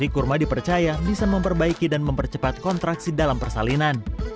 kurma dipercaya bisa memperbaiki dan mempercepat kontraksi dalam persalinan